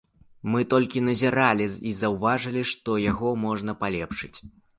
Мы толькі назіралі і заўважылі, што яго можна палепшыць.